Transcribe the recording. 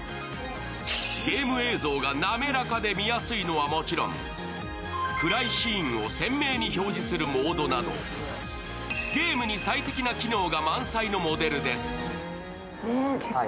ゲーム映像が滑らかで見やすいのはもちろん、暗いシーンを鮮明に表示するモードなど、ゲームに最適な機能が満載のモデルです。